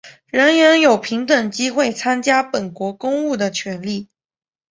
人人有平等机会参加本国公务的权利。